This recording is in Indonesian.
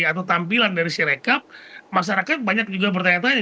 atau tampilan dari sirekap masyarakat banyak juga bertanya tanya